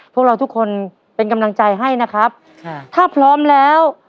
พวกเราทุกคนเป็นกำลังใจให้นะครับค่ะถ้าพร้อมแล้ว